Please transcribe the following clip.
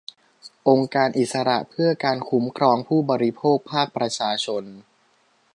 องค์การอิสระเพื่อการคุ้มครองผู้บริโภคภาคประชาชน